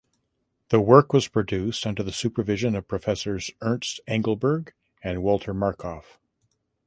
The work was produced under the supervision of Professors Ernst Engelberg and Walter Markov.